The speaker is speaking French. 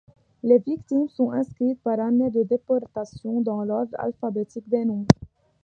Les victimes sont inscrites par année de déportation, dans l’ordre alphabétique des noms.